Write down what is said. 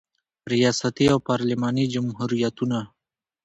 ریاستي او پارلماني جمهوریتونه